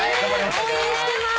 応援してます！